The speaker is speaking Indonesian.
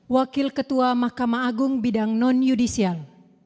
wakil ketua mahkamah agung bidang non yudisial